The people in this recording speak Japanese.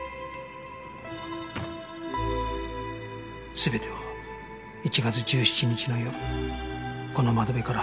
全ては１月１７日の夜この窓辺から始まった